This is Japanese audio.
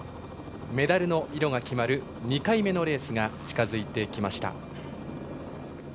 メダルの色が決まる２回目のレースが近づいてきました。